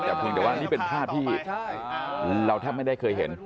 แต่ว่านี่เป็นภาพที่เราถ้าไม่ได้เคยเห็น